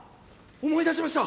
思い出しました！！